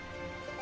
あ。